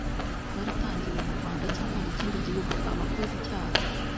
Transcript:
rwaratangiwe mu rwanda cyangwa mu kindi gihugu, aba akoze icyaha.